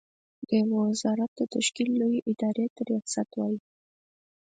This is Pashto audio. د يوه وزارت د تشکيل لويې ادارې ته ریاست وايې.